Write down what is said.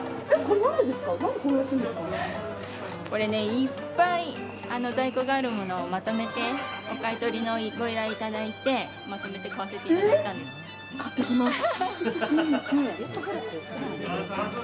いっぱい在庫があるものをまとめてお買い取りのご依頼いただいてまとめて買ってきます。